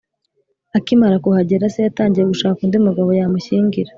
akimara kuhagera, se yatangiye gushaka undi mugabo yamushyingira